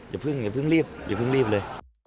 อย่าเพิ่งอย่าเพิ่งรีบอย่าเพิ่งรีบเลย